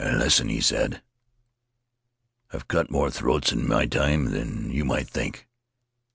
'Listen!' he said. 'I've cut more throats in my time than you might think.'